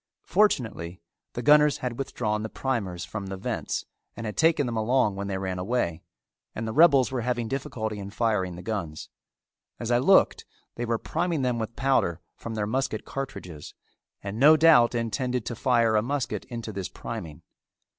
Fortunately the gunners had withdrawn the primers from the vents and had taken them along when they ran away and the rebels were having difficulty in firing the guns. As I looked they were priming them with powder from their musket cartridges, and no doubt intended to fire a musket into this priming.